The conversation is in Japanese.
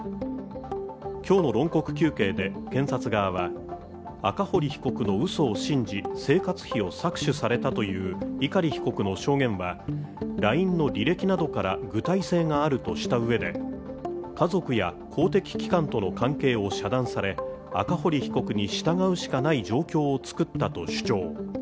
今日の論告求刑で検察側は赤堀被告の嘘を信じ生活費を搾取されたという碇被告の証言は、ＬＩＮＥの履歴などから具体性があるとしたうえで家族や公的機関との関係を遮断され赤堀被告に従うしかない状況を作ったと主張。